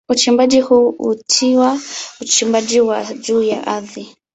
Uchimbaji huu huitwa uchimbaji wa juu ya ardhi.